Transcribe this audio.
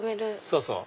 そうそう。